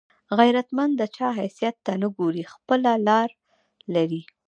غیرتمند د چا حیثیت ته نه ګوري، خپله لار لري